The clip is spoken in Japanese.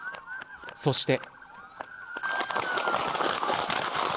そして。